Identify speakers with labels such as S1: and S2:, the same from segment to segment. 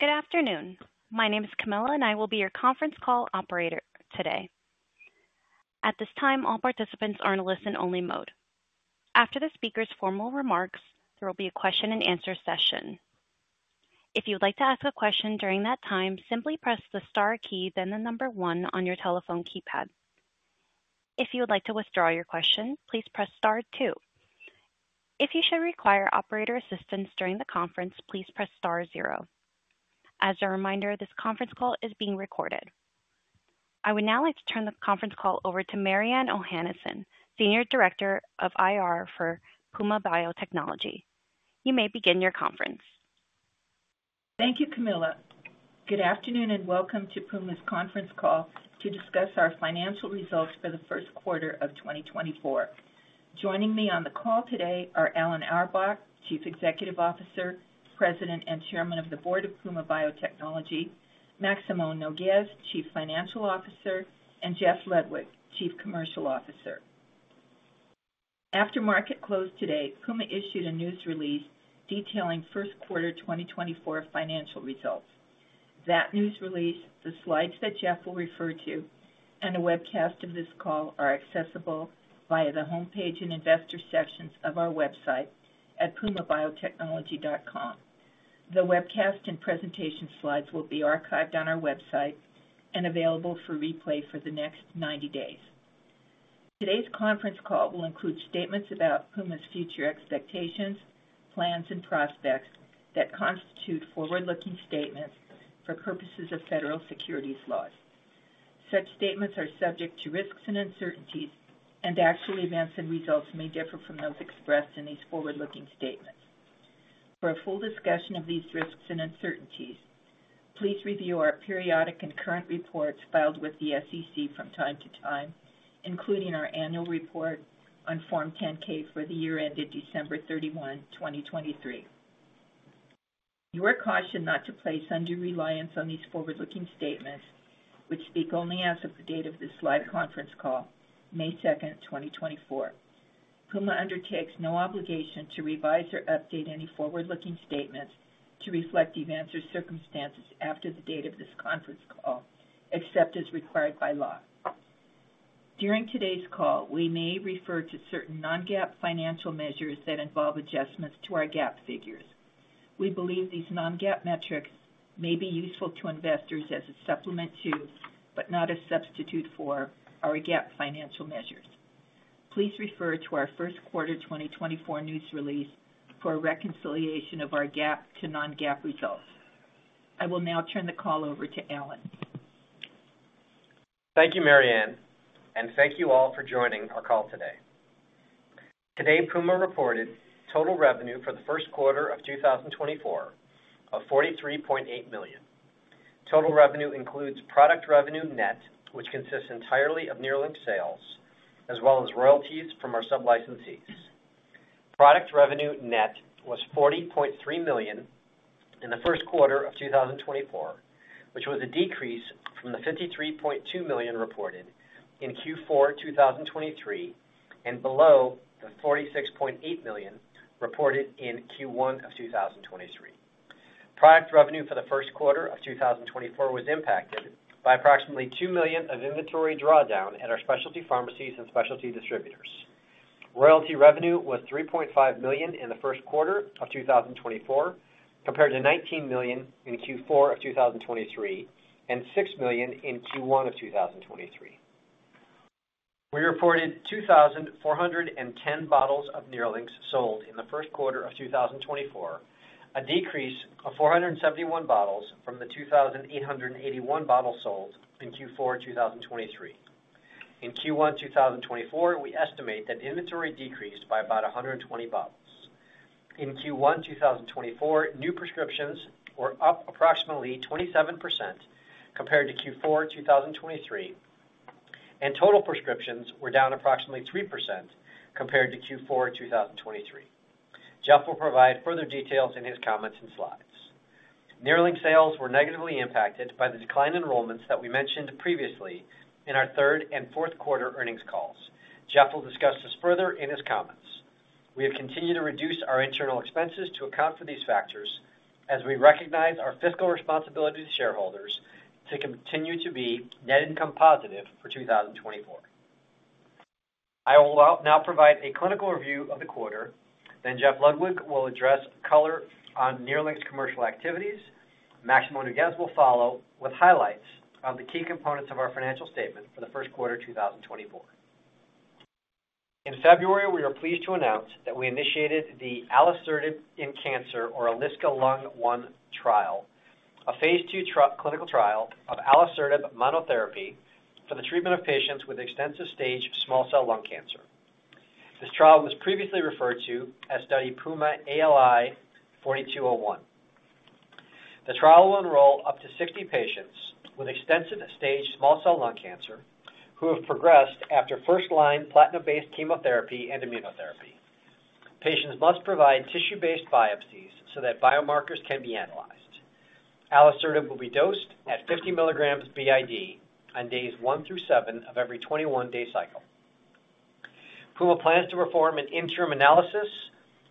S1: Good afternoon. My name is Camilla, and I will be your conference call operator today. At this time, all participants are in a listen-only mode. After the speaker's formal remarks, there will be a question-and-answer session. If you would like to ask a question during that time, simply press the star key, then the number one on your telephone keypad. If you would like to withdraw your question, please press star two. If you should require operator assistance during the conference, please press star zero. As a reminder, this conference call is being recorded. I would now like to turn the conference call over to Mariann Ohanesian, Senior Director of IR for Puma Biotechnology. You may begin your conference.
S2: Thank you, Camilla. Good afternoon, and welcome to Puma's Conference Call to discuss our Financial Results for the First Quarter of 2024. Joining me on the call today are Alan Auerbach, Chief Executive Officer, President, and Chairman of the Board of Puma Biotechnology; Maximo Nougues, Chief Financial Officer; and Jeff Ludwig, Chief Commercial Officer. After market closed today, Puma issued a news release detailing first quarter 2024 financial results. That news release, the slides that Jeff will refer to, and a webcast of this call are accessible via the homepage and investor sections of our website at pumabiotechnology.com. The webcast and presentation slides will be archived on our website and available for replay for the next 90 days. Today's conference call will include statements about Puma's future expectations, plans, and prospects that constitute forward-looking statements for purposes of federal securities laws. Such statements are subject to risks and uncertainties, and actual events and results may differ from those expressed in these forward-looking statements. For a full discussion of these risks and uncertainties, please review our periodic and current reports filed with the SEC from time to time, including our annual report on Form 10-K for the year ended December 31, 2023. You are cautioned not to place undue reliance on these forward-looking statements, which speak only as of the date of this live conference call, May 2, 2024. Puma undertakes no obligation to revise or update any forward-looking statements to reflect events or circumstances after the date of this conference call, except as required by law. During today's call, we may refer to certain non-GAAP financial measures that involve adjustments to our GAAP figures. We believe these non-GAAP metrics may be useful to investors as a supplement to, but not a substitute for, our GAAP financial measures. Please refer to our first quarter 2024 news release for a reconciliation of our GAAP to non-GAAP results. I will now turn the call over to Alan.
S3: Thank you, Mariann, and thank you all for joining our call today. Today, Puma reported total revenue for the first quarter of 2024 of $43.8 million. Total revenue includes product revenue net, which consists entirely of NERLYNX sales, as well as royalties from our sub-licensees. Product revenue net was $40.3 million in the first quarter of 2024, which was a decrease from the $53.2 million reported in Q4 2023, and below the $46.8 million reported in Q1 of 2023. Product revenue for the first quarter of 2024 was impacted by approximately $2 million of inventory drawdown at our specialty pharmacies and specialty distributors. Royalty revenue was $3.5 million in the first quarter of 2024, compared to $19 million in Q4 of 2023 and $6 million in Q1 of 2023. We reported 2,410 bottles of NERLYNX sold in the first quarter of 2024, a decrease of 471 bottles from the 2,881 bottles sold in Q4 2023. In Q1 2024, we estimate that inventory decreased by about 120 bottles. In Q1 2024, new prescriptions were up approximately 27% compared to Q4 2023, and total prescriptions were down approximately 3% compared to Q4 2023. Jeff will provide further details in his comments and slides. NERLYNX sales were negatively impacted by the decline in enrollments that we mentioned previously in our third and fourth quarter earnings calls. Jeff will discuss this further in his comments. We have continued to reduce our internal expenses to account for these factors as we recognize our fiscal responsibility to shareholders to continue to be net income positive for 2024. I will now provide a clinical review of the quarter. Then Jeff Ludwig will address color on NERLYNX's commercial activities. Maximo Nougues will follow with highlights of the key components of our financial statement for the first quarter 2024. In February, we are pleased to announce that we initiated the alisertib in cancer or ALISKA Lung 1 trial, a phase II clinical trial of alisertib monotherapy for the treatment of patients with extensive stage small cell lung cancer. This trial was previously referred to as study Puma ALI-4201. The trial will enroll up to 60 patients with extensive stage small cell lung cancer, who have progressed after first-line platinum-based chemotherapy and immunotherapy. Patients must provide tissue-based biopsies so that biomarkers can be analyzed. alisertib will be dosed at 50 milligrams BID on days one through seven of every 21-day cycle.... Puma plans to perform an interim analysis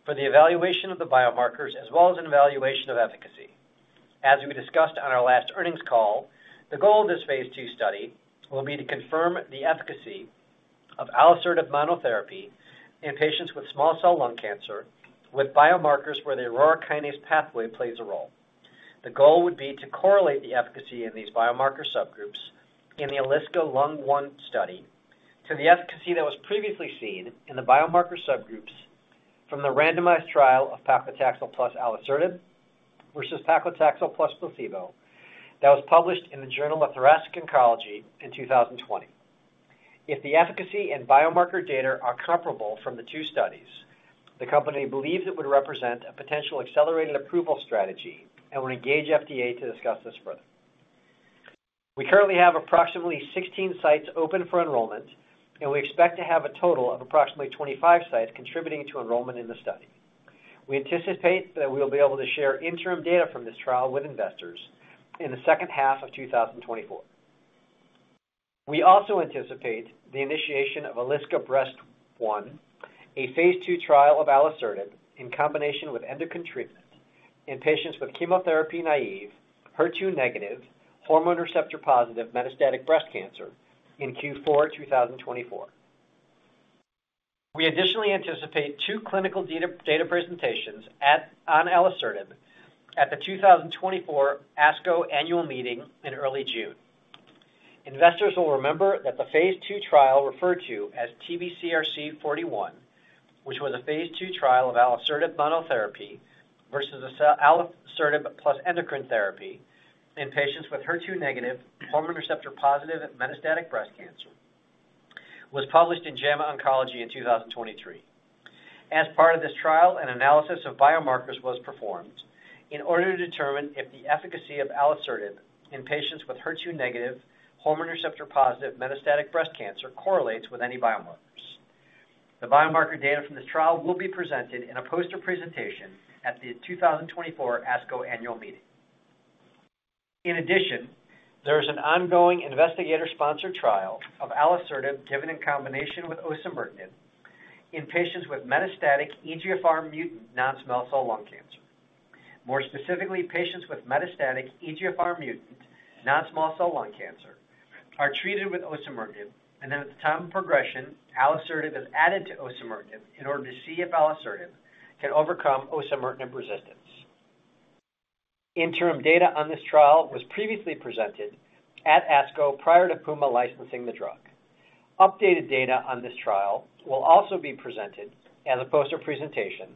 S3: for the evaluation of the biomarkers, as well as an evaluation of efficacy. As we discussed on our last earnings call, the goal of this phase II study will be to confirm the efficacy of alisertib monotherapy in patients with small cell lung cancer, with biomarkers where the aurora kinase pathway plays a role. The goal would be to correlate the efficacy in these biomarker subgroups in the ALISKA Lung 1 study to the efficacy that was previously seen in the biomarker subgroups from the randomized trial of paclitaxel plus alisertib versus paclitaxel plus placebo, that was published in the Journal of Thoracic Oncology in 2020. If the efficacy and biomarker data are comparable from the two studies, the company believes it would represent a potential accelerated approval strategy and will engage FDA to discuss this further. We currently have approximately 16 sites open for enrollment, and we expect to have a total of approximately 25 sites contributing to enrollment in the study. We anticipate that we will be able to share interim data from this trial with investors in the second half of 2024. We also anticipate the initiation of ALISKA Breast 1, a phase II trial of alisertib in combination with endocrine treatment in patients with chemotherapy-naive, HER2-negative, hormone receptor-positive metastatic breast cancer in Q4 2024. We additionally anticipate two clinical data presentations on alisertib at the 2024 ASCO Annual Meeting in early June. Investors will remember that the phase II trial referred to as TBCRC 41, which was a phase II trial of alisertib monotherapy versus alisertib plus endocrine therapy in patients with HER2-negative, hormone receptor-positive metastatic breast cancer, was published in JAMA Oncology in 2023. As part of this trial, an analysis of biomarkers was performed in order to determine if the efficacy of alisertib in patients with HER2-negative, hormone receptor-positive metastatic breast cancer correlates with any biomarkers. The biomarker data from this trial will be presented in a poster presentation at the 2024 ASCO Annual Meeting. In addition, there is an ongoing investigator-sponsored trial of alisertib given in combination with osimertinib in patients with metastatic EGFR mutant non-small cell lung cancer. More specifically, patients with metastatic EGFR mutant non-small cell lung cancer are treated with osimertinib, and then at the time of progression, alisertib is added to osimertinib in order to see if alisertib can overcome osimertinib resistance. Interim data on this trial was previously presented at ASCO prior to Puma licensing the drug. Updated data on this trial will also be presented as a poster presentation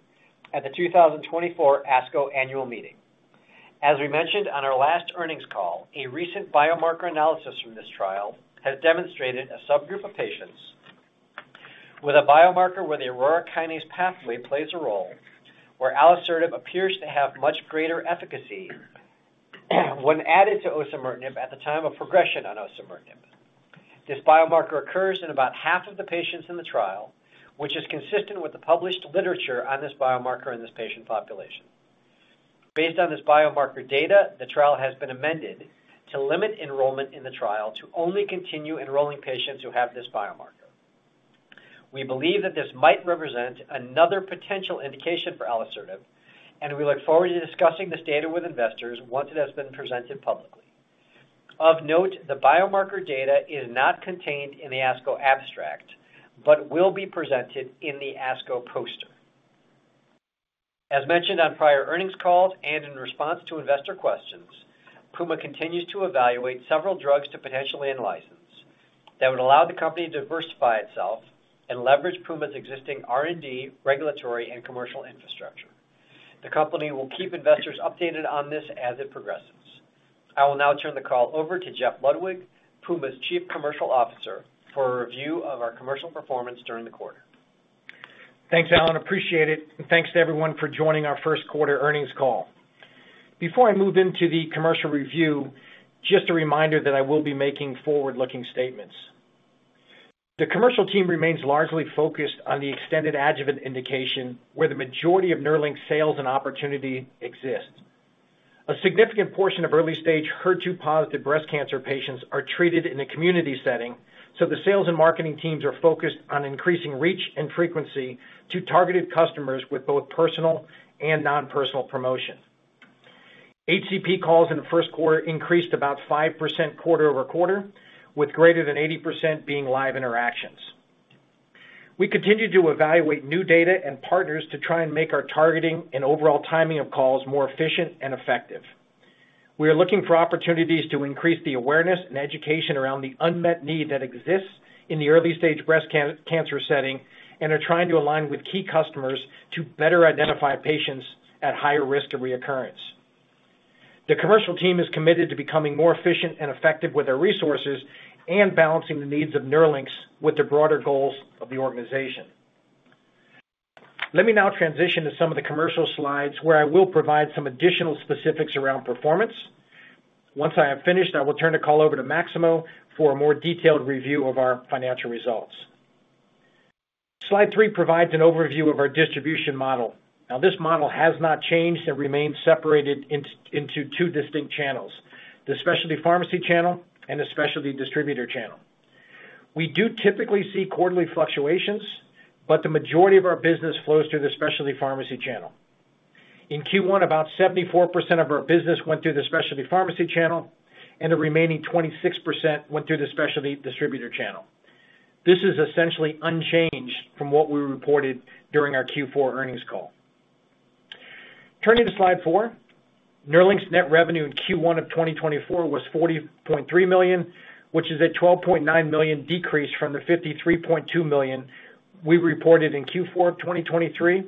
S3: at the 2024 ASCO Annual Meeting. As we mentioned on our last earnings call, a recent biomarker analysis from this trial has demonstrated a subgroup of patients with a biomarker where the aurora kinase pathway plays a role, where alisertib appears to have much greater efficacy when added to osimertinib at the time of progression on osimertinib. This biomarker occurs in about half of the patients in the trial, which is consistent with the published literature on this biomarker in this patient population. Based on this biomarker data, the trial has been amended to limit enrollment in the trial to only continue enrolling patients who have this biomarker. We believe that this might represent another potential indication for alisertib, and we look forward to discussing this data with investors once it has been presented publicly. Of note, the biomarker data is not contained in the ASCO abstract, but will be presented in the ASCO poster. As mentioned on prior earnings calls and in response to investor questions, Puma continues to evaluate several drugs to potentially in-license that would allow the company to diversify itself and leverage Puma's existing R&D, regulatory, and commercial infrastructure. The company will keep investors updated on this as it progresses. I will now turn the call over to Jeff Ludwig, Puma's Chief Commercial Officer, for a review of our commercial performance during the quarter.
S4: Thanks, Alan, appreciate it, and thanks to everyone for joining our first quarter earnings call. Before I move into the commercial review, just a reminder that I will be making forward-looking statements. The commercial team remains largely focused on the extended adjuvant indication, where the majority of NERLYNX sales and opportunity exist. A significant portion of early-stage HER2-positive breast cancer patients are treated in a community setting, so the sales and marketing teams are focused on increasing reach and frequency to targeted customers with both personal and non-personal promotion. HCP calls in the first quarter increased about 5% quarter-over-quarter, with greater than 80% being live interactions. We continue to evaluate new data and partners to try and make our targeting and overall timing of calls more efficient and effective. We are looking for opportunities to increase the awareness and education around the unmet need that exists in the early-stage breast cancer setting, and are trying to align with key customers to better identify patients at higher risk of recurrence. The commercial team is committed to becoming more efficient and effective with their resources and balancing the needs of NERLYNX with the broader goals of the organization. Let me now transition to some of the commercial slides, where I will provide some additional specifics around performance. Once I have finished, I will turn the call over to Maximo for a more detailed review of our financial results. Slide three provides an overview of our distribution model. Now, this model has not changed and remains separated into two distinct channels... the specialty pharmacy channel and the specialty distributor channel. We do typically see quarterly fluctuations, but the majority of our business flows through the specialty pharmacy channel. In Q1, about 74% of our business went through the specialty pharmacy channel, and the remaining 26% went through the specialty distributor channel. This is essentially unchanged from what we reported during our Q4 earnings call. Turning to slide 4, NERLYNX net revenue in Q1 of 2024 was $40.3 million, which is a $12.9 million decrease from the $53.2 million we reported in Q4 of 2023,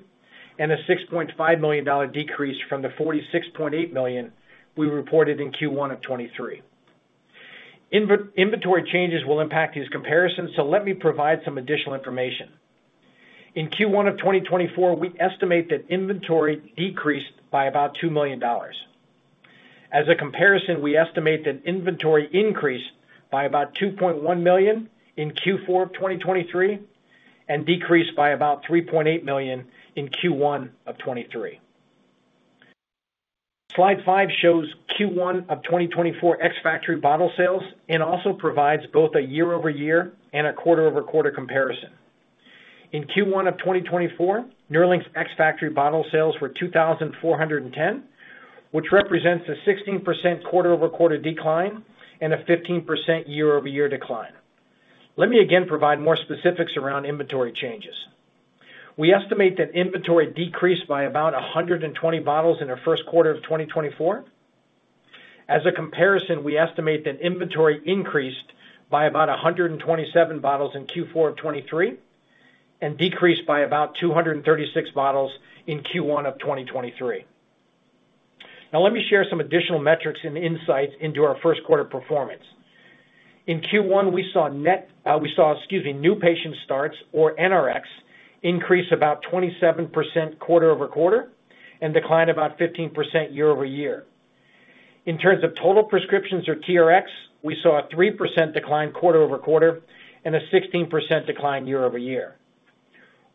S4: and a $6.5 million decrease from the $46.8 million we reported in Q1 of 2023. Inventory changes will impact these comparisons, so let me provide some additional information. In Q1 of 2024, we estimate that inventory decreased by about $2 million. As a comparison, we estimate that inventory increased by about $2.1 million in Q4 of 2023, and decreased by about $3.8 million in Q1 of 2023. Slide 5 shows Q1 of 2024 ex-factory bottle sales and also provides both a year-over-year and a quarter-over-quarter comparison. In Q1 of 2024, NERLYNX ex-factory bottle sales were 2,410, which represents a 16% quarter-over-quarter decline and a 15% year-over-year decline. Let me again provide more specifics around inventory changes. We estimate that inventory decreased by about 120 bottles in the first quarter of 2024. As a comparison, we estimate that inventory increased by about 127 bottles in Q4 of 2023, and decreased by about 236 bottles in Q1 of 2023. Now, let me share some additional metrics and insights into our first quarter performance. In Q1, we saw net new patient starts, or NRX, increase about 27% quarter-over-quarter and decline about 15% year-over-year. In terms of total prescriptions, or TRX, we saw a 3% decline quarter-over-quarter and a 16% decline year-over-year.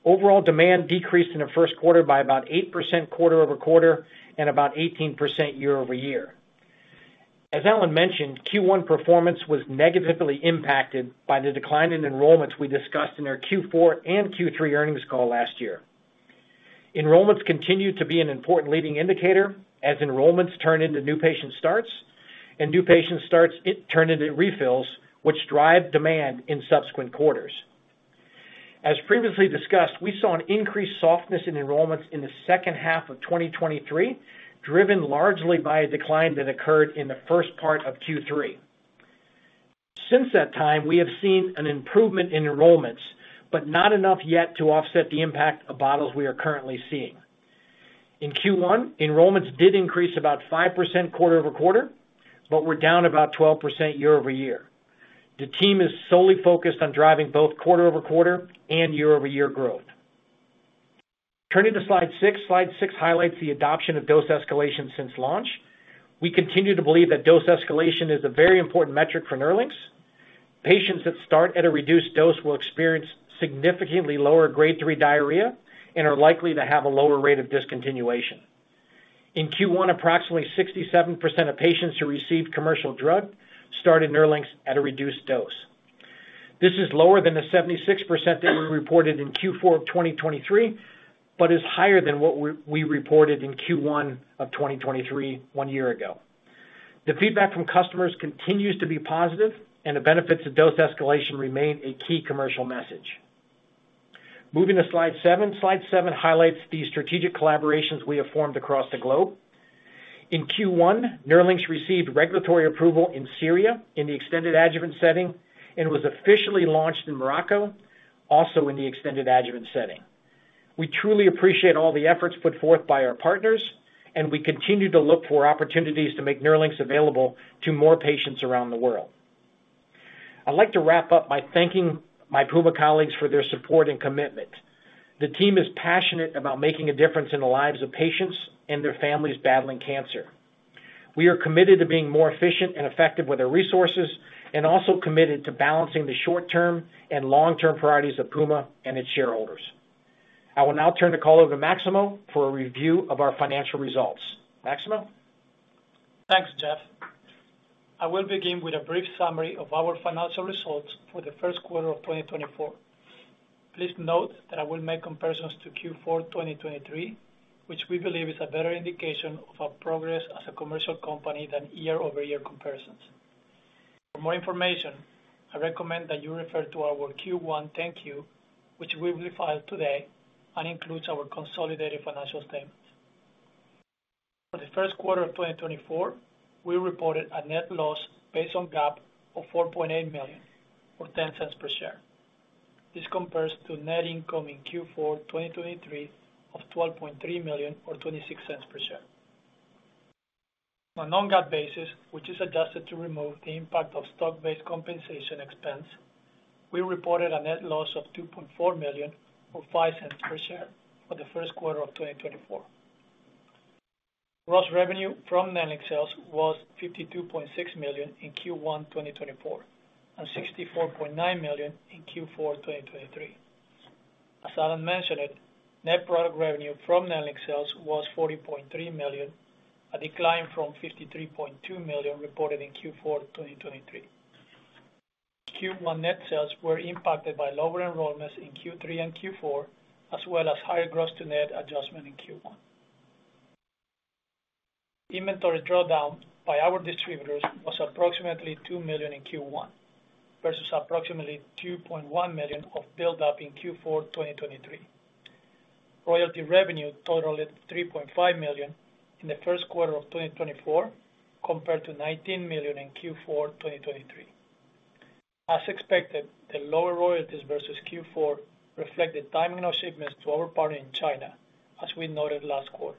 S4: Overall demand decreased in the first quarter by about 8% quarter-over-quarter and about 18% year-over-year. As Alan mentioned, Q1 performance was negatively impacted by the decline in enrollments we discussed in our Q4 and Q3 earnings call last year. Enrollments continue to be an important leading indicator, as enrollments turn into new patient starts, and new patient starts in turn into refills, which drive demand in subsequent quarters. As previously discussed, we saw an increased softness in enrollments in the second half of 2023, driven largely by a decline that occurred in the first part of Q3. Since that time, we have seen an improvement in enrollments, but not enough yet to offset the impact of bottles we are currently seeing. In Q1, enrollments did increase about 5% quarter-over-quarter, but were down about 12% year-over-year. The team is solely focused on driving both quarter-over-quarter and year-over-year growth. Turning to Slide 6. Slide 6 highlights the adoption of dose escalation since launch. We continue to believe that dose escalation is a very important metric for NERLYNX. Patients that start at a reduced dose will experience significantly lower Grade 3 diarrhea and are likely to have a lower rate of discontinuation. In Q1, approximately 67% of patients who received commercial drug started NERLYNX at a reduced dose. This is lower than the 76% that we reported in Q4 of 2023, but is higher than what we reported in Q1 of 2023, one year ago. The feedback from customers continues to be positive, and the benefits of dose escalation remain a key commercial message. Moving to Slide 7. Slide 7 highlights the strategic collaborations we have formed across the globe. In Q1, NERLYNX received regulatory approval in Syria in the extended adjuvant setting and was officially launched in Morocco, also in the extended adjuvant setting. We truly appreciate all the efforts put forth by our partners, and we continue to look for opportunities to make NERLYNX available to more patients around the world. I'd like to wrap up by thanking my Puma colleagues for their support and commitment. The team is passionate about making a difference in the lives of patients and their families battling cancer. We are committed to being more efficient and effective with our resources, and also committed to balancing the short-term and long-term priorities of Puma and its shareholders. I will now turn the call over to Maximo for a review of our financial results. Maximo?
S5: Thanks, Jeff. I will begin with a brief summary of our financial results for the first quarter of 2024. Please note that I will make comparisons to Q4 2023, which we believe is a better indication of our progress as a commercial company than year-over-year comparisons. For more information, I recommend that you refer to our Q1 10-Q, which we will file today and includes our consolidated financial statements. For the first quarter of 2024, we reported a net loss based on GAAP of $4.8 million, or $0.10 per share. This compares to net income in Q4 2023 of $12.3 million or $0.26 per share. On a non-GAAP basis, which is adjusted to remove the impact of stock-based compensation expense, we reported a net loss of $2.4 million, or $0.05 per share for the first quarter of 2024. Gross revenue from NERLYNX sales was $52.6 million in Q1 2024, and $64.9 million in Q4 2023. As Alan mentioned it, net product revenue from NERLYNX sales was $40.3 million, a decline from $53.2 million reported in Q4 2023. Q1 net sales were impacted by lower enrollments in Q3 and Q4, as well as higher gross to net adjustment in Q1. Inventory drawdown by our distributors was approximately $2 million in Q1, versus approximately $2.1 million of build up in Q4 2023. Royalty revenue totaled $3.5 million in the first quarter of 2024, compared to $19 million in Q4 2023. As expected, the lower royalties versus Q4 reflected timing of shipments to our partner in China, as we noted last quarter.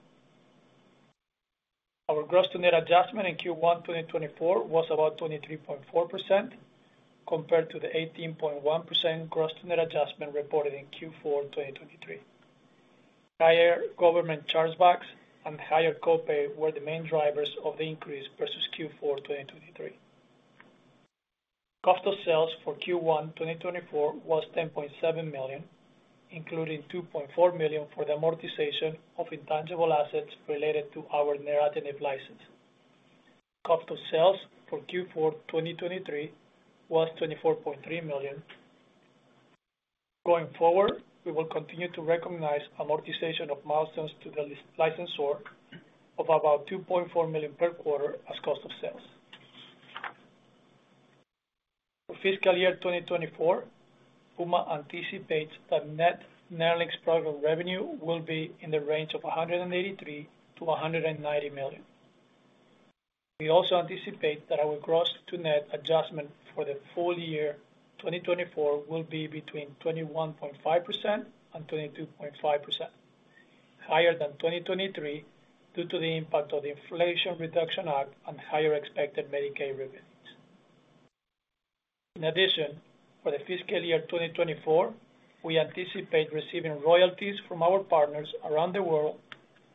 S5: Our gross to net adjustment in Q1 2024 was about 23.4%, compared to the 18.1% gross to net adjustment reported in Q4 2023. Higher government chargebacks and higher copay were the main drivers of the increase versus Q4 2023. Cost of sales for Q1 2024 was $10.7 million, including $2.4 million for the amortization of intangible assets related to our neratinib license. Cost of sales for Q4 2023 was $24.3 million. Going forward, we will continue to recognize amortization of milestones to the licensor of about $2.4 million per quarter as cost of sales. For fiscal year 2024, Puma anticipates that net NERLYNX product revenue will be in the range of $183 million-$190 million. We also anticipate that our gross to net adjustment for the full year 2024 will be between 21.5% and 22.5%, higher than 2023, due to the impact of the Inflation Reduction Act and higher expected Medicaid rebates. In addition, for the fiscal year 2024, we anticipate receiving royalties from our partners around the world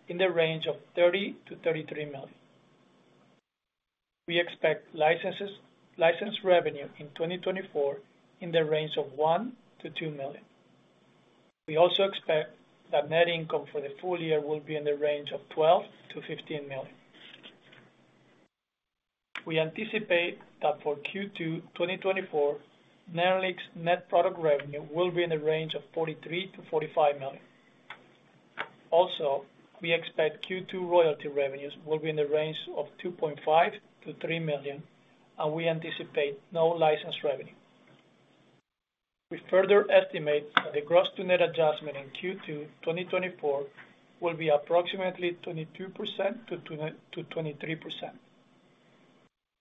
S5: in the range of $30 million-$33 million. We expect license revenue in 2024 in the range of $1 million-$2 million. We also expect that net income for the full year will be in the range of $12 million-$15 million. We anticipate that for Q2 2024, NERLYNX net product revenue will be in the range of $43 million-$45 million. Also, we expect Q2 royalty revenues will be in the range of $2.5 million-$3 million, and we anticipate no license revenue. We further estimate that the gross to net adjustment in Q2 2024 will be approximately 22%-23%.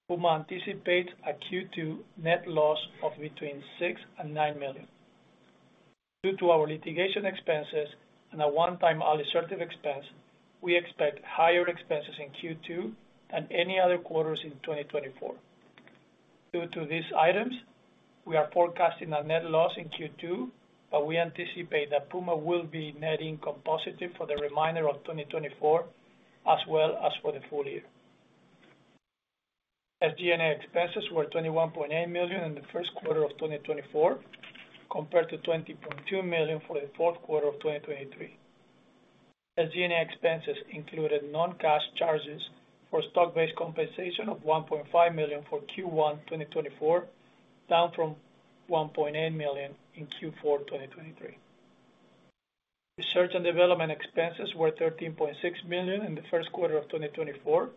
S5: Puma anticipates a Q2 net loss of between $6 million and $9 million. Due to our litigation expenses and a one-time alisertib expense, we expect higher expenses in Q2 and any other quarters in 2024. Due to these items, we are forecasting a net loss in Q2, but we anticipate that Puma will be net income positive for the remainder of 2024, as well as for the full year. SG&A expenses were $21.8 million in the first quarter of 2024, compared to $20.2 million for the fourth quarter of 2023. SG&A expenses included non-cash charges for stock-based compensation of $1.5 million for Q1 2024, down from $1.8 million in Q4 2023. Research and development expenses were $13.6 million in the first quarter of 2024,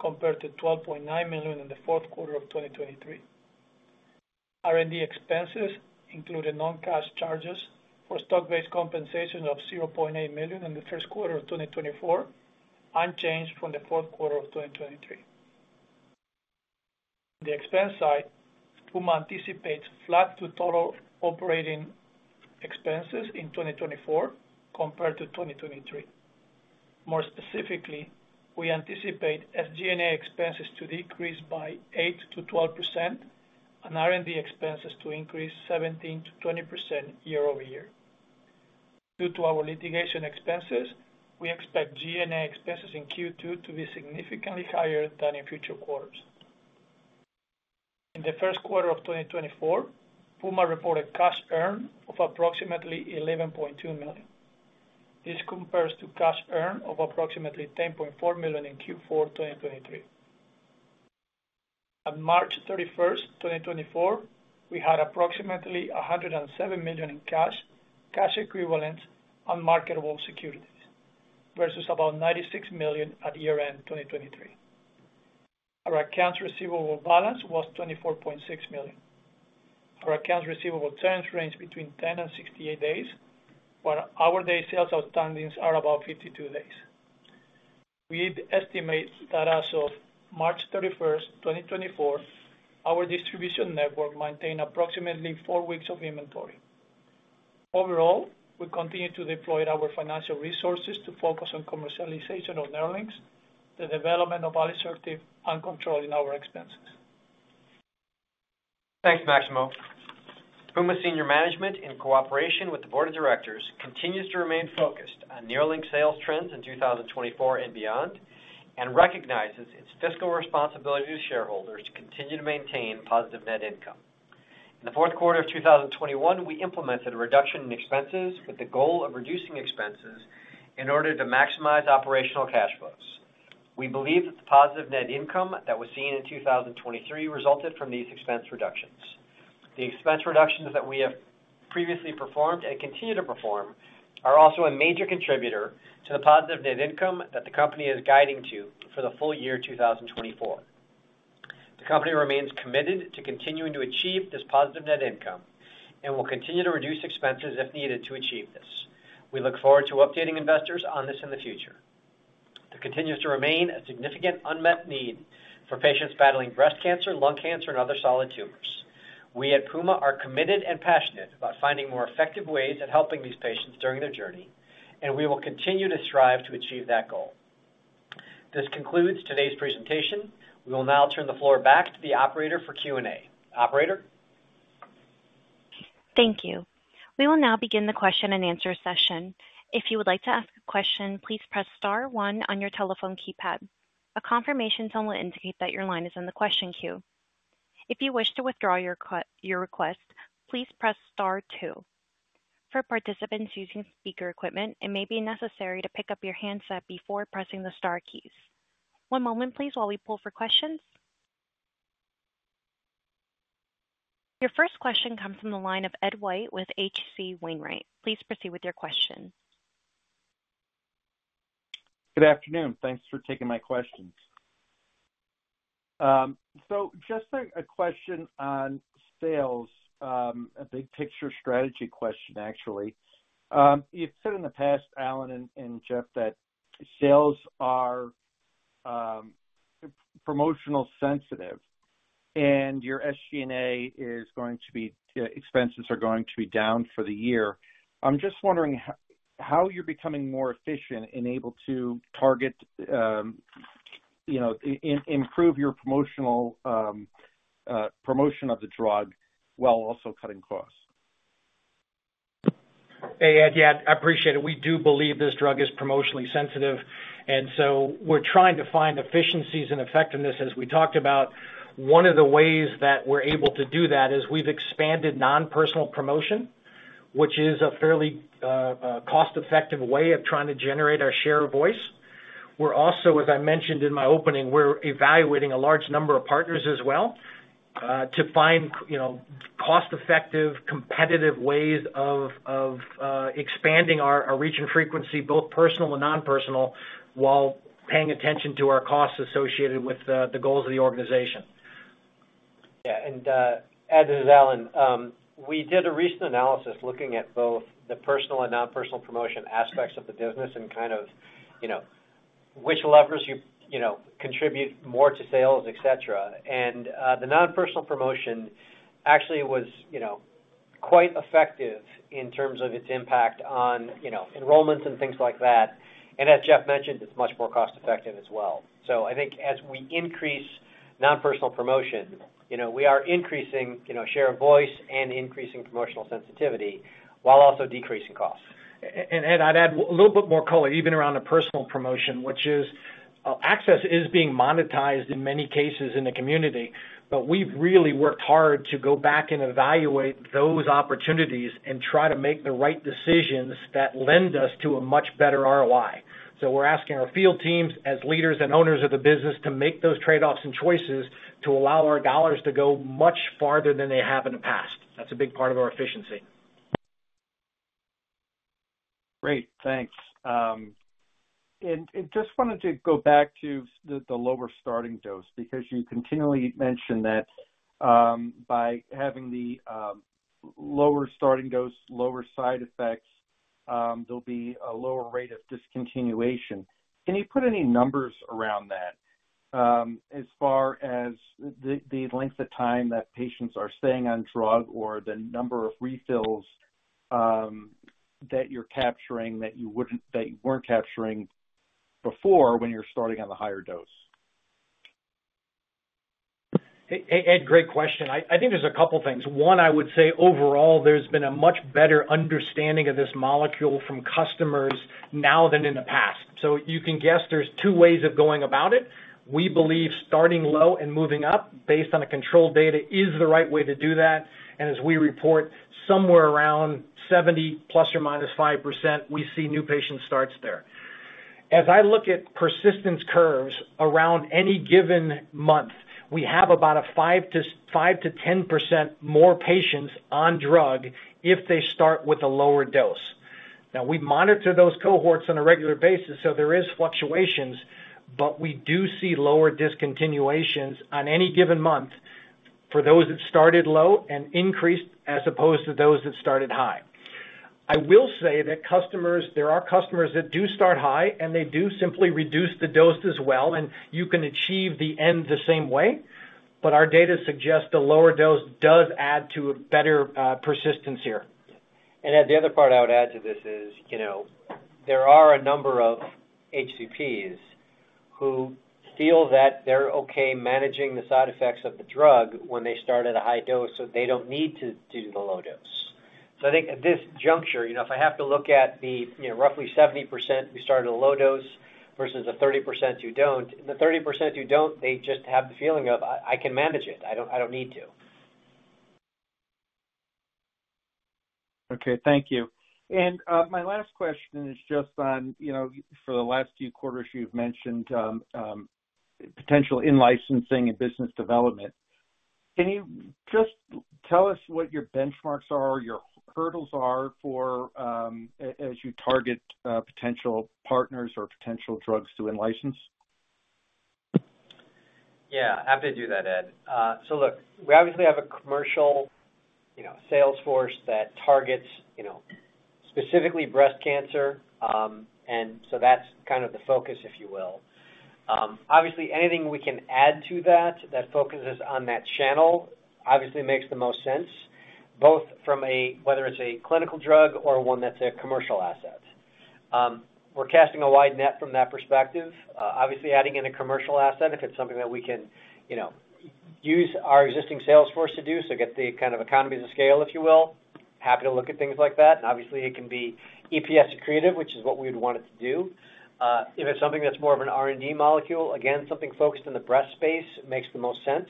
S5: compared to $12.9 million in the fourth quarter of 2023. R&D expenses included non-cash charges for stock-based compensation of $0.8 million in the first quarter of 2024, unchanged from the fourth quarter of 2023. The expense side, Puma anticipates flat to total operating expenses in 2024 compared to 2023. More specifically, we anticipate SG&A expenses to decrease by 8%-12% and R&D expenses to increase 17%-20% year-over-year. Due to our litigation expenses, we expect G&A expenses in Q2 to be significantly higher than in future quarters. In the first quarter of 2024, Puma reported cash earned of approximately $11.2 million. This compares to cash earned of approximately $10.4 million in Q4 2023. On March 31, 2024, we had approximately $107 million in cash, cash equivalents, and marketable securities, versus about $96 million at year-end 2023. Our accounts receivable balance was $24.6 million. Our accounts receivable terms range between 10 and 68 days, while our days sales outstanding are about 52 days. We'd estimate that as of March 31, 2024, our distribution network maintained approximately four weeks of inventory. Overall, we continue to deploy our financial resources to focus on commercialization of NERLYNX, the development of alisertib, and controlling our expenses.
S3: Thanks, Maximo. Puma senior management, in cooperation with the board of directors-... continues to remain focused on NERLYNX sales trends in 2024 and beyond, and recognizes its fiscal responsibility to shareholders to continue to maintain positive net income. In the fourth quarter of 2021, we implemented a reduction in expenses with the goal of reducing expenses in order to maximize operational cash flows. We believe that the positive net income that was seen in 2023 resulted from these expense reductions. The expense reductions that we have previously performed and continue to perform are also a major contributor to the positive net income that the company is guiding to for the full year 2024. The company remains committed to continuing to achieve this positive net income and will continue to reduce expenses if needed to achieve this. We look forward to updating investors on this in the future. There continues to remain a significant unmet need for patients battling breast cancer, lung cancer, and other solid tumors. We at Puma are committed and passionate about finding more effective ways at helping these patients during their journey, and we will continue to strive to achieve that goal. This concludes today's presentation. We will now turn the floor back to the operator for Q&A. Operator?
S1: Thank you. We will now begin the question-and-answer session. If you would like to ask a question, please press star one on your telephone keypad. A confirmation tone will indicate that your line is in the question queue. If you wish to withdraw your request, please press star two. For participants using speaker equipment, it may be necessary to pick up your handset before pressing the star keys. One moment, please, while we poll for questions. Your first question comes from the line of Ed White with H.C. Wainwright. Please proceed with your question.
S6: Good afternoon. Thanks for taking my questions. So just a question on sales, a big picture strategy question, actually. You've said in the past, Alan and Jeff, that sales are promotional sensitive, and your SG&A is going to be expenses are going to be down for the year. I'm just wondering how you're becoming more efficient and able to target, you know, improve your promotional promotion of the drug while also cutting costs.
S4: Hey, Ed. Yeah, I appreciate it. We do believe this drug is promotionally sensitive, and so we're trying to find efficiencies and effectiveness. As we talked about, one of the ways that we're able to do that is we've expanded non-personal promotion, which is a fairly cost-effective way of trying to generate our share of voice. We're also, as I mentioned in my opening, we're evaluating a large number of partners as well to find, you know, cost-effective, competitive ways of expanding our reach and frequency, both personal and non-personal, while paying attention to our costs associated with the goals of the organization.
S3: Yeah, and, Ed, this is Alan. We did a recent analysis looking at both the personal and non-personal promotion aspects of the business and kind of, you know, which levers you, you know, contribute more to sales, et cetera. And, the non-personal promotion actually was, you know, quite effective in terms of its impact on, you know, enrollments and things like that. And as Jeff mentioned, it's much more cost-effective as well. So I think as we increase non-personal promotion, you know, we are increasing, you know, share of voice and increasing promotional sensitivity while also decreasing costs.
S4: And I'd add a little bit more color, even around the personal promotion, which is, access is being monetized in many cases in the community, but we've really worked hard to go back and evaluate those opportunities and try to make the right decisions that lend us to a much better ROI. So we're asking our field teams, as leaders and owners of the business, to make those trade-offs and choices to allow our dollars to go much farther than they have in the past. That's a big part of our efficiency.
S6: Great, thanks. Just wanted to go back to the lower starting dose, because you continually mention that by having the lower starting dose, lower side effects, there'll be a lower rate of discontinuation. Can you put any numbers around that, as far as the length of time that patients are staying on drug or the number of refills that you're capturing that you wouldn't—that you weren't capturing before when you're starting on the higher dose?
S4: Hey, Ed, great question. I, I think there's a couple things. One, I would say overall, there's been a much better understanding of this molecule from customers now than in the past. So you can guess there's two ways of going about it. We believe starting low and moving up based on a controlled data is the right way to do that. And as we report, somewhere around 70 ±5%, we see new patient starts there. As I look at persistence curves around any given month, we have about a 5 to 10% more patients on drug if they start with a lower dose. Now, we monitor those cohorts on a regular basis, so there is fluctuations, but we do see lower discontinuations on any given month for those that started low and increased, as opposed to those that started high. I will say that customers, there are customers that do start high, and they do simply reduce the dose as well, and you can achieve the end the same way, but our data suggests the lower dose does add to a better persistence here.
S3: Ed, the other part I would add to this is, you know, there are a number of HCPs who feel that they're okay managing the side effects of the drug when they start at a high dose, so they don't need to do the low dose. So I think at this juncture, you know, if I have to look at the, you know, roughly 70% who started a low dose versus the 30% who don't, the 30% who don't, they just have the feeling of, I can manage it. I don't need to.
S6: Okay, thank you. And, my last question is just on, you know, for the last few quarters, you've mentioned, potential in-licensing and business development. Can you just tell us what your benchmarks are, your hurdles are for, you target, potential partners or potential drugs to in-license?
S3: Yeah, happy to do that, Ed. So look, we obviously have a commercial, you know, sales force that targets, you know, specifically breast cancer. And so that's kind of the focus, if you will. Obviously, anything we can add to that, that focuses on that channel, obviously makes the most sense, both from a... whether it's a clinical drug or one that's a commercial asset. We're casting a wide net from that perspective. Obviously, adding in a commercial asset, if it's something that we can, you know, use our existing sales force to do, so get the kind of economies of scale, if you will, happy to look at things like that. And obviously, it can be EPS accretive, which is what we would want it to do. If it's something that's more of an R&D molecule, again, something focused in the breast space makes the most sense.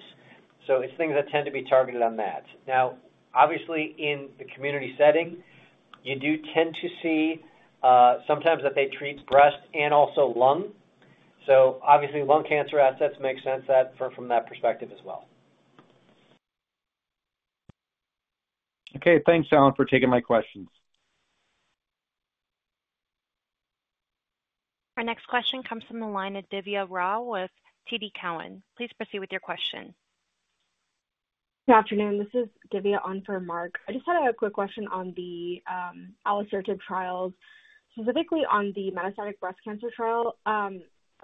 S3: So it's things that tend to be targeted on that. Now, obviously, in the community setting, you do tend to see, sometimes that they treat breast and also lung. So obviously, lung cancer assets make sense that, from that perspective as well.
S6: Okay, thanks, Alan, for taking my questions.
S1: Our next question comes from the line of Divya Rao with TD Cowen. Please proceed with your question.
S7: Good afternoon. This is Divya on for Marc. I just had a quick question on the, alisertib trials, specifically on the metastatic breast cancer trial. Are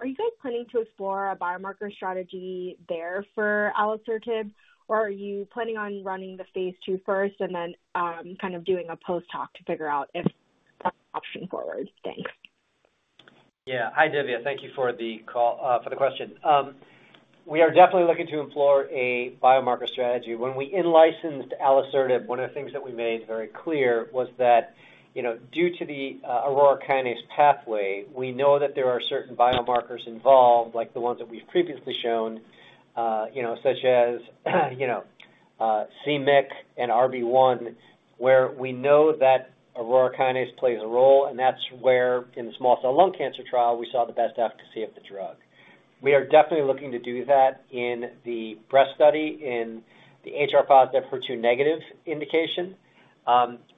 S7: you guys planning to explore a biomarker strategy there for alisertib, or are you planning on running the phase II first and then, kind of doing a post-hoc to figure out if option forward? Thanks.
S3: Yeah. Hi, Divya. Thank you for the call, for the question. We are definitely looking to explore a biomarker strategy. When we in-licensed alisertib, one of the things that we made very clear was that, you know, due to the, aurora kinase pathway, we know that there are certain biomarkers involved, like the ones that we've previously shown, you know, such as, you know, c-MYC and RB1, where we know that aurora kinase plays a role, and that's where, in the small cell lung cancer trial, we saw the best efficacy of the drug. We are definitely looking to do that in the breast study, in the HR-positive, HER2-negative indication.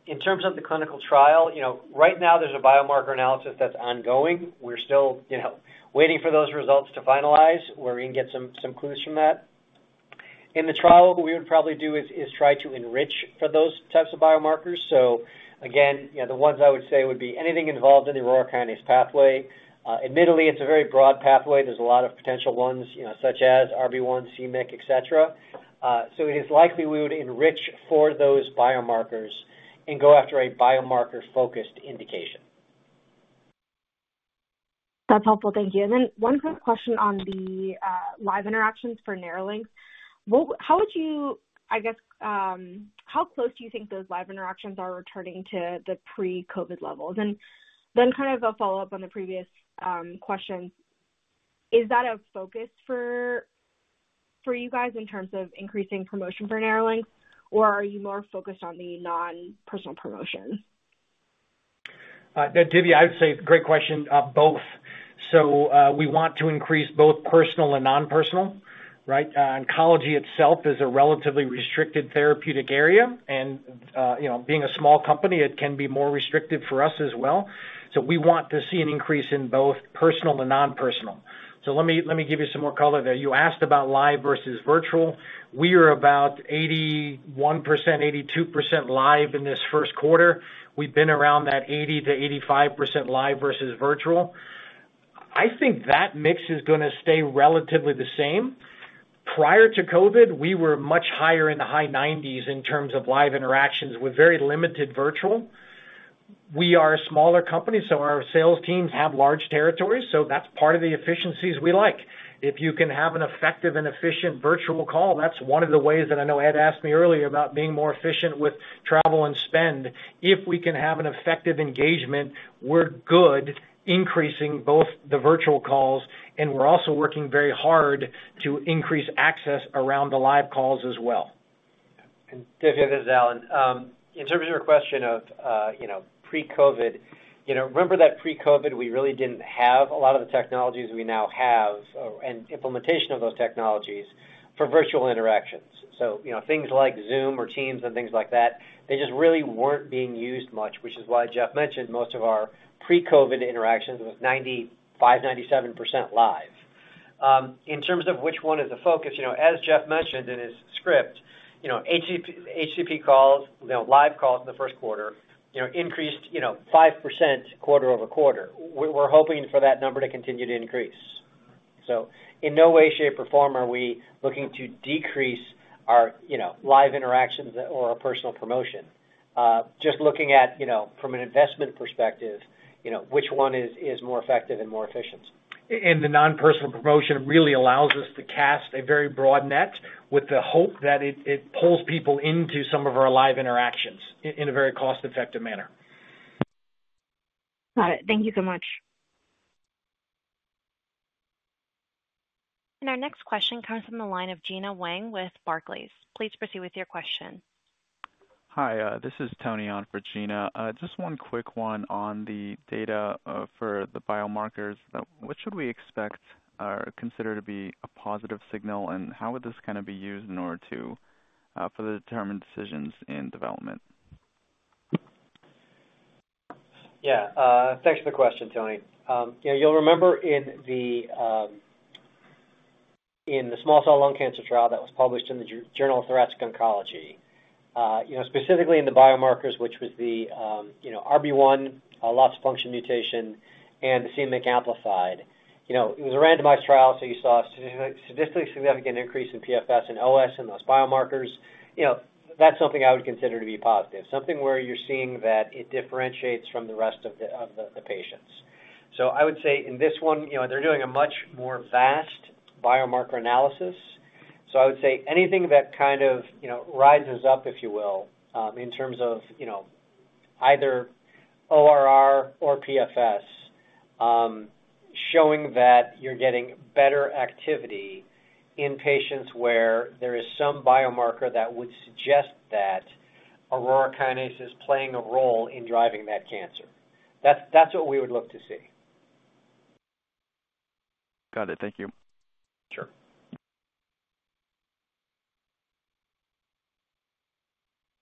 S3: In terms of the clinical trial, you know, right now there's a biomarker analysis that's ongoing. We're still, you know, waiting for those results to finalize, where we can get some clues from that. In the trial, what we would probably do is try to enrich for those types of biomarkers. So again, you know, the ones I would say would be anything involved in the aurora kinase pathway. Admittedly, it's a very broad pathway. There's a lot of potential ones, you know, such as RB1, c-MYC, et cetera. So it is likely we would enrich for those biomarkers and go after a biomarker-focused indication.
S7: That's helpful. Thank you. And then one quick question on the live interactions for NERLYNX. How close do you think those live interactions are returning to the pre-COVID levels? And then kind of a follow-up on the previous question, is that a focus for you guys in terms of increasing promotion for NERLYNX, or are you more focused on the non-personal promotion?
S3: Divya, I would say, great question, both. So, we want to increase both personal and non-personal, right? Oncology itself is a relatively restricted therapeutic area, and, you know, being a small company, it can be more restrictive for us as well. So we want to see an increase in both personal and non-personal. So let me, let me give you some more color there. You asked about live versus virtual. We are about 81%-82% live in this first quarter. We've been around that 80%-85% live versus virtual. I think that mix is gonna stay relatively the same. Prior to COVID, we were much higher in the high 90s in terms of live interactions, with very limited virtual. We are a smaller company, so our sales teams have large territories, so that's part of the efficiencies we like. If you can have an effective and efficient virtual call, that's one of the ways that I know Ed asked me earlier about being more efficient with travel and spend. If we can have an effective engagement, we're good increasing both the virtual calls, and we're also working very hard to increase access around the live calls as well. Divya, this is Alan. In terms of your question of, you know, pre-COVID, you know, remember that pre-COVID, we really didn't have a lot of the technologies we now have, and implementation of those technologies for virtual interactions. So, you know, things like Zoom or Teams and things like that, they just really weren't being used much, which is why Jeff mentioned most of our pre-COVID interactions was 95%-97% live. In terms of which one is the focus, you know, as Jeff mentioned in his script, you know, HCP, HCP calls, you know, live calls in the first quarter, you know, increased 5% quarter-over-quarter. We're hoping for that number to continue to increase. So in no way, shape, or form are we looking to decrease our, you know, live interactions or our personal promotion. Just looking at, you know, from an investment perspective, you know, which one is more effective and more efficient?
S4: The non-personal promotion really allows us to cast a very broad net with the hope that it pulls people into some of our live interactions in a very cost-effective manner.
S7: Got it. Thank you so much.
S1: Our next question comes from the line of Gina Wang with Barclays. Please proceed with your question.
S8: Hi, this is Tony on for Gina. Just one quick one on the data for the biomarkers. What should we expect or consider to be a positive signal, and how would this kind of be used in order to further determine decisions in development?
S3: Yeah, thanks for the question, Tony. Yeah, you'll remember in the small cell lung cancer trial that was published in the Journal of Thoracic Oncology, you know, specifically in the biomarkers, which was the, you know, RB1, a loss-of-function mutation, and the c-MYC amplified. You know, it was a randomized trial, so you saw a significant, statistically significant increase in PFS and OS in those biomarkers. You know, that's something I would consider to be positive, something where you're seeing that it differentiates from the rest of the patients. So I would say in this one, you know, they're doing a much more vast biomarker analysis. So I would say anything that kind of, you know, rises up, if you will, in terms of, you know, either ORR or PFS, showing that you're getting better activity in patients where there is some biomarker that would suggest that aurora kinase is playing a role in driving that cancer. That's, that's what we would look to see.
S8: Got it. Thank you.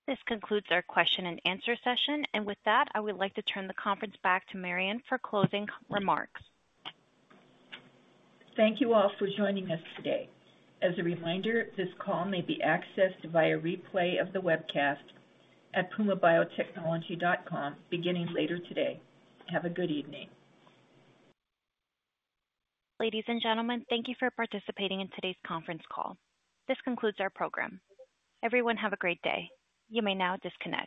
S3: Sure.
S1: This concludes our question and answer session. With that, I would like to turn the conference back to Mariann for closing remarks.
S2: Thank you all for joining us today. As a reminder, this call may be accessed via replay of the webcast at pumabiotechnology.com beginning later today. Have a good evening.
S1: Ladies and gentlemen, thank you for participating in today's conference call. This concludes our program. Everyone, have a great day. You may now disconnect.